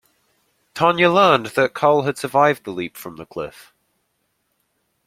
Tanya learned that Karl had survived the leap from the cliff.